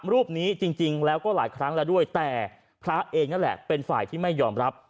รูปนี้จริงแล้วก็หลายครั้งแล้วด้วยแต่พระเองนั่นแหละเป็นฝ่ายที่ไม่ยอมรับ